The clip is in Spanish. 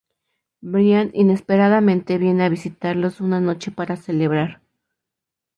Brian inesperadamente viene a visitarlos una noche para celebrar.